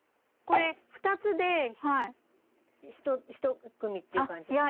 これ２つで１組っていう感じ？